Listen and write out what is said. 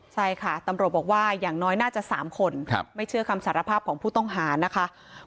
ใช่ค่ะตำรวจบอกว่าอย่างน้อยน่าจะ๓คนไม่เชื่อคำสารภาพของผู้ต้องหานะคะ